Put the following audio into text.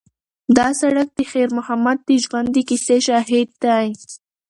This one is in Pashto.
دا سړک د خیر محمد د ژوند د کیسې شاهد دی.